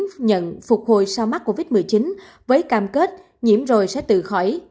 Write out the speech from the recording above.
những người đàn ông đứng nhận phục hồi sau mắc covid một mươi chín với cam kết nhiễm rồi sẽ tự khỏi